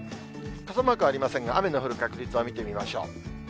傘マークはありませんが、雨の降る確率を見てみましょう。